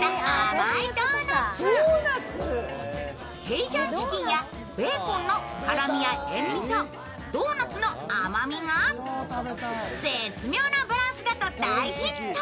ケイジャンチキンやベーコンの辛味や塩味とドーナツの甘みが絶妙なバランスだと大ヒット。